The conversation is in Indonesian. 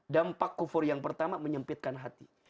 dampak kufur yang pertama menyempitkan hati